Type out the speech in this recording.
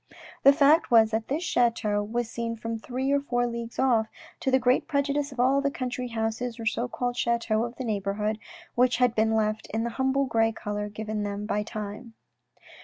The fact was that this chateau was seen from three or four leagues off, to the great prejudice of all the country houses or so called chateaux of the neighbourhood, which had been left in the humble grey colour given them by time.